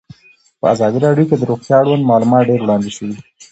په ازادي راډیو کې د روغتیا اړوند معلومات ډېر وړاندې شوي.